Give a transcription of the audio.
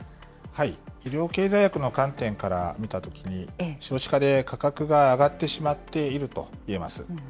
医療経済学の観点から見たときに、少子化で価格が上がってしまっているといえます。